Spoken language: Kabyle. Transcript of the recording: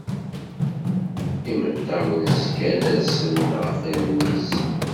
Imeṭṭawen zgan rsen-d ɣef wallen-is.